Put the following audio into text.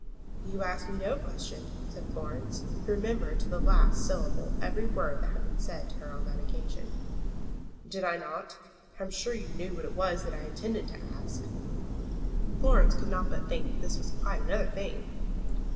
"You asked me no question," said Florence, who remembered to the last syllable every word that had been said to her on that occasion. "Did I not? I am sure you knew what it was that I intended to ask." Florence could not but think that this was quite another thing.